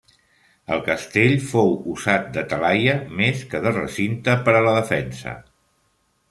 El castell fou usat de talaia més que de recinte per a la defensa.